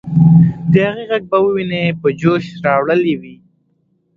د هغې ږغ به ويني په جوش راوړلې وې.